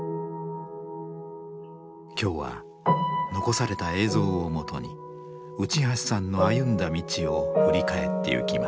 今日は残された映像をもとに内橋さんの歩んだ道を振り返ってゆきます。